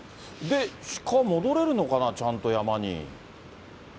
鹿、戻れるのかな、ちゃんと山に。